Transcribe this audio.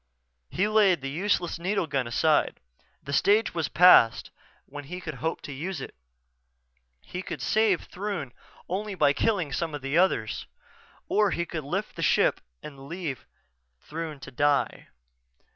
He laid the useless needle gun aside. The stage was past when he could hope to use it. He could save Throon only by killing some of the others or he could lift ship and leave Throon to die.